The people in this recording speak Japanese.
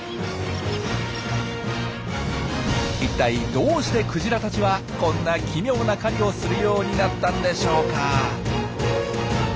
いったいどうしてクジラたちはこんな奇妙な狩りをするようになったんでしょうか？